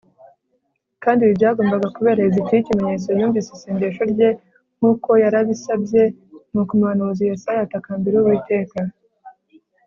kandi ibi byagombaga kubera hezekiya ikimenyetso yumvise isengesho rye. nk'uko yari abisabye nuko umuhanuzi yesaya atakambira uwiteka